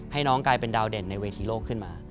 ให้น้องกลายเป็นดาวเด่นในเวทีโลกขึ้นมา